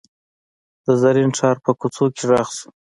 د زرین ښار په کوڅو کې غږ شو.